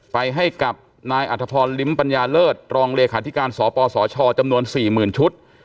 ไปให้กับนายอัธพรลิ้มปัญญาเลิศรองเลขาธิการสปสชจำนวน๔๐๐๐ชุด